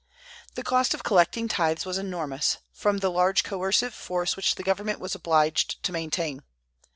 The cost of collecting tithes was enormous, from the large coercive force which the government was obliged to maintain.